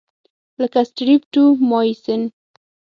لکه سټریپټومایسین.